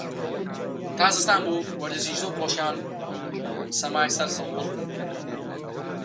تا زستان بوو، وەرزشی زۆر خۆشیان سەمای سەر سەهۆڵ بوو